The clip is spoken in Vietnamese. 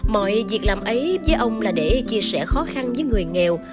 mọi việc làm ấy với ông là để chia sẻ khó khăn với người nghèo